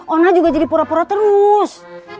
ona juga jadi pura pura terus